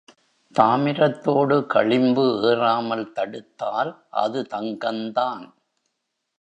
தாமிரத்தோடு களிம்பு ஏறாமல் தடுத்தால் அது தங்கந்தான்.